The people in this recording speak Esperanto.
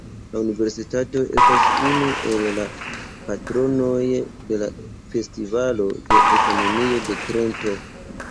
La universitato estas unu el la patronoj de la Festivalo de Ekonomio de Trento.